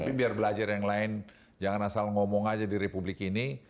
kalau ada yang lain jangan asal ngomong aja di republik ini